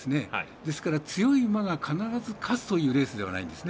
ですから強い馬が必ず勝つというレースではないんですね。